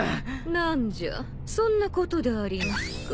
何じゃそんなことでありんすか。